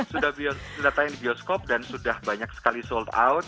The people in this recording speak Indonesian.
sudah datang di bioskop dan sudah banyak sekali sold out